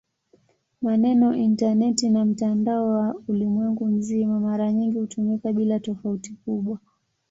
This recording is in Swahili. Maneno "intaneti" na "mtandao wa ulimwengu mzima" mara nyingi hutumika bila tofauti kubwa.